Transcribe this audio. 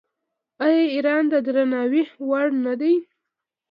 آیا ایران د درناوي وړ نه دی؟